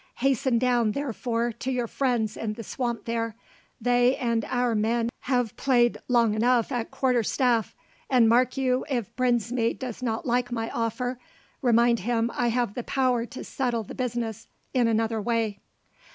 Hasten down, therefore, to your friends in the swamp there; they and our men have played long enough at quarter staff; and mark you, if Brinsmead does not like my offer, remind him I have the power to settle the business in another way."